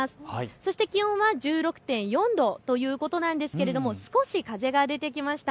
そして気温は１６．４度ということなんですけれども少し風が出てきました。